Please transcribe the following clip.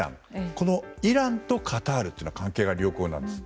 このイランとカタールというのは関係が良好なんです。